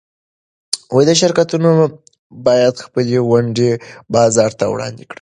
شرکتونه باید خپلې ونډې بازار ته وړاندې کړي.